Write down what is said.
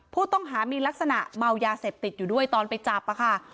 ผู้ต้องหามีลักษณะเมายาเสพติดอยู่ด้วยตอนไปจับค่ะ